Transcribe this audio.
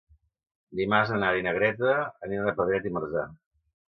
Dimarts na Nara i na Greta aniran a Pedret i Marzà.